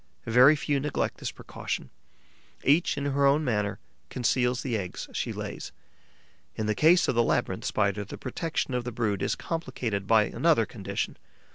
Very few neglect this precaution; each, in her own manner, conceals the eggs she lays. In the case of the Labyrinth Spider, the protection of the brood is complicated by another condition.